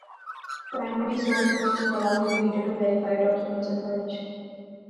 Primary-source hosting allows the reader to verify a document's information.